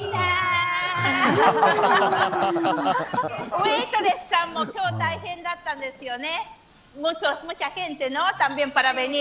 ウエートレスさんも大変だったんですよね。